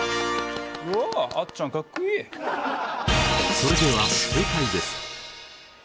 それでは正解です。